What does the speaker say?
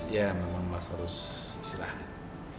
ya memang mas harus istirahat